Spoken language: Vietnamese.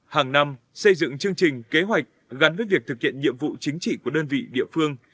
hàng năm xây dựng chương trình kế hoạch gắn với việc thực hiện nhiệm vụ chính trị của đơn vị địa phương